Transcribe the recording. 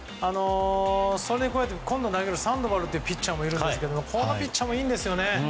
それに加えて今度投げるサンドバルというピッチャーもいるんですけどこのピッチャーがいいんですよね。